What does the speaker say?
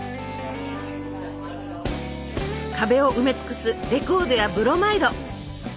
壁を埋め尽くすレコードやブロマイド。